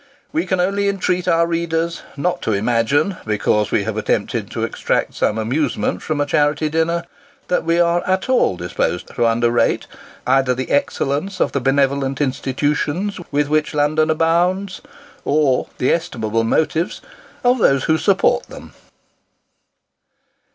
We can only entreat our readers not to imagine, because we have attempted to extract some amusement from a charity dinner, that we are at all disposed to under rate, either the excellence of the benevolent institutions with which London abounds, or the estimable motives of those who support them.